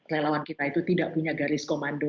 relawan kita itu tidak punya garis komando